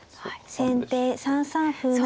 先手３三歩成。